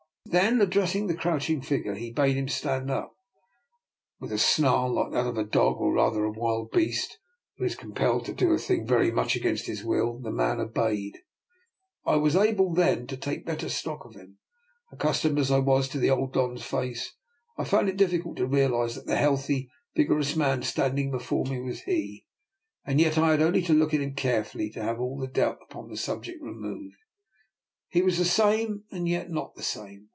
Then addressing the crouching figure, he bade him stand up. With a snarl like that of a dog, or rather of a wild beast, who is com pelled to do a thing very much against his will, the man obeyed. I was able then to take better stock of him. Accustomed as I was to the old Don's face, I found it difficult to realise that the healthy, vigorous man standing before me was he, and yet I had only to look at him carefully to have all doubt upon the subject removed. He was the same and yet not the same.